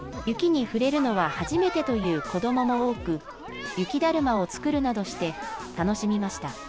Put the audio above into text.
雪に触れるのは初めてという子どもも多く、雪だるまを作るなどして楽しみました。